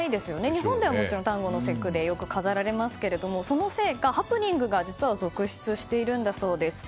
日本では端午の節句で飾られますけどもそのせいか、ハプニングが実は続出しているんだそうです。